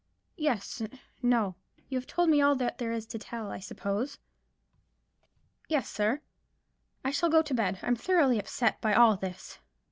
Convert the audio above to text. "Yes—no—you have told me all that there is to tell, I suppose?" "Yes, sir." "I shall go to bed. I'm thoroughly upset by all this.